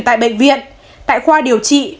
tại bệnh viện tại khoa điều trị